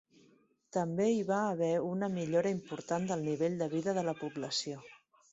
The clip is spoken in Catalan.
També hi va haver una millora important del nivell de vida de la població.